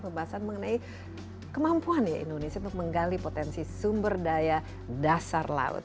pembahasan mengenai kemampuan ya indonesia untuk menggali potensi sumber daya dasar laut